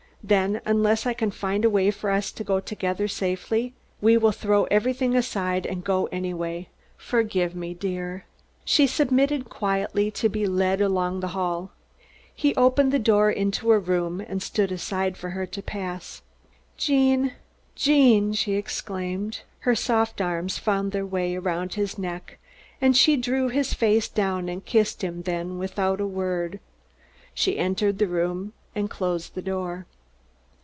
Then, unless I can find a way for us to go together safely, we will throw everything aside and go anyway. Forgive me, dear." She submitted quietly to be led along the hall. He opened the door into a room and stood aside for her to pass. "Gene, Gene!" she exclaimed. Her soft arms found their way about his neck, and she drew his face down and kissed him; then, without a word, she entered the room and closed the door.